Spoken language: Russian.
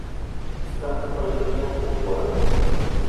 Ставрополь — приятный город